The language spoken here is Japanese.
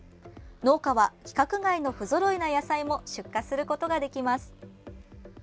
農家は規格外の不ぞろいな野菜も出荷することができます。